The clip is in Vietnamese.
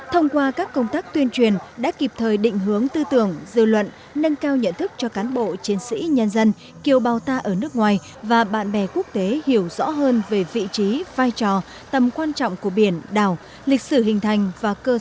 thông qua các công tác tuyên truyền đã kịp thời định hướng tư tưởng dư luận nâng cao nhận thức cho cán bộ chiến sĩ nhân dân kiều bào ta ở nước ngoài và bạn bè quốc tế hiểu rõ hơn về vị trí vai trò tầm quan trọng của biển đảo lịch sử hình thành và cơ sở